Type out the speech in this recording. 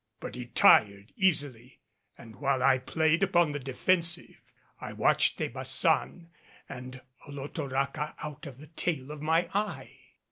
But he tired easily, and while I played upon the defensive, I watched De Baçan and Olotoraca out of the tail of my eye.